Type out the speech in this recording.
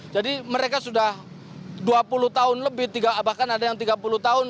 jadi mereka sudah dua puluh tahun lebih bahkan ada yang tiga puluh tahun